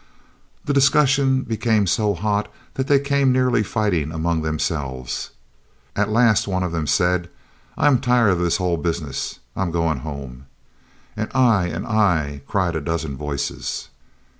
The discussion became so hot, they came nearly fighting among themselves. At last one of them said, "I am tired of the hull business. I am goin' home." "An' I!" "An' I!" cried a dozen voices.